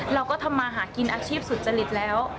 เราก็ทำมาหากินอาชีพสุจริตแล้ว